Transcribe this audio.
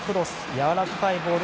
やわらかいボール。